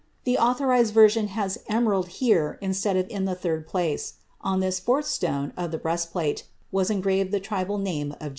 The Authorized Version has "emerald" here instead of in the third place. On this fourth stone of the breastplate was engraved the tribal name of Judah.